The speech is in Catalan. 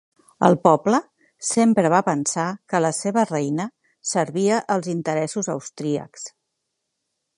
El poble sempre va pensar que la seva reina servia els interessos austríacs.